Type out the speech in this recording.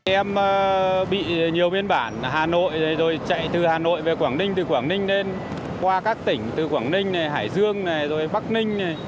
em bị nhiều biên bản hà nội rồi chạy từ hà nội về quảng ninh từ quảng ninh lên qua các tỉnh từ quảng ninh hải dương bắc ninh